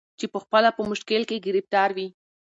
چي پخپله په مشکل کي ګرفتار وي